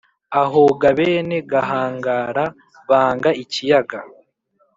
ahoga bene gahangara banga ikiyaga.